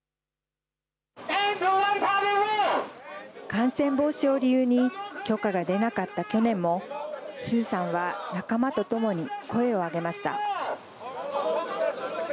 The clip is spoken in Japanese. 感染防止を理由に、許可が出なかった去年も、鄒さんは仲間と共に声を上げました。